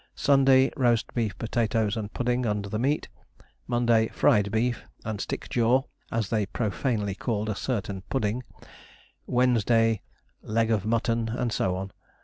Sunday, roast beef, potatoes, and pudding under the meat; Monday, fried beef, and stick jaw (as they profanely called a certain pudding); Wednesday, leg of mutton, and so on.